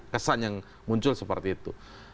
kesan yang muncul seperti itu